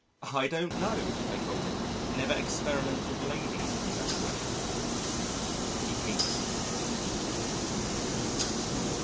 "I don't know," I told him, "I never experiment with ladies in that way." He hates me.